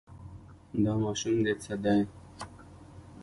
دا ماشوم دې څه دی.